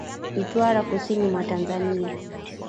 Mtwara Kusini mwa Tanzania